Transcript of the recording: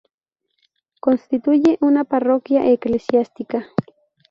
Constituye una Parroquia Eclesiástica.